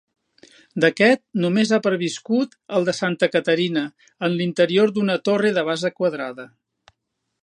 D'aquest només ha perviscut el de Santa Caterina en l'interior d'una torre de base quadrada.